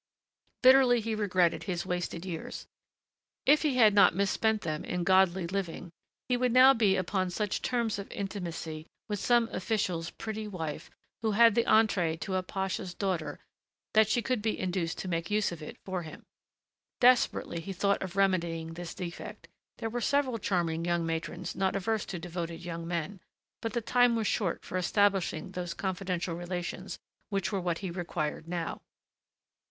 Bitterly he regretted his wasted years. If he had not misspent them in godly living he would now be upon such terms of intimacy with some official's pretty wife who had the entrée to a pasha's daughter that she could be induced to make use of it for him. Desperately he thought of remedying this defect. There were several charming young matrons not averse to devoted young men, but the time was short for establishing those confidential relations which were what he required now.